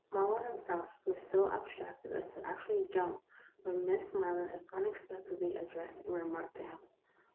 Marlowe him self grew so abstracted as to actually jump when Miss Maryland unexpectedly addressed a remark to him.